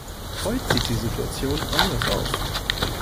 Heut sieht die Situation anders aus.